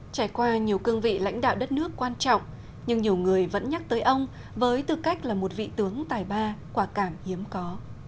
trải qua nhiều cương vị lãnh đạo đất nước quan trọng nhưng nhiều người vẫn nhắc tới ông với tư cách là một vị tướng tài ba quả cảm hiếm có